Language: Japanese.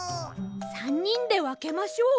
３にんでわけましょう。